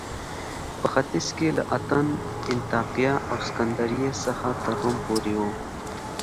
په ختیځ کې له اتن، انطاکیه او سکندریې څخه تر روم پورې و